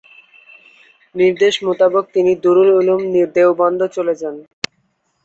নির্দেশ মোতাবেক তিনি দারুল উলুম দেওবন্দ চলে যান।